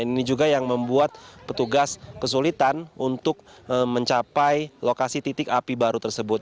ini juga yang membuat petugas kesulitan untuk mencapai lokasi titik api baru tersebut